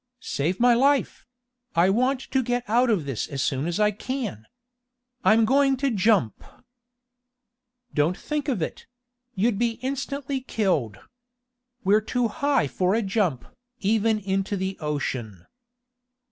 "Save my life! I want to get out of this as soon as I can. I'm going to jump!" "Don't think of it! You'd be instantly killed. We're too high for a jump, even into the ocean."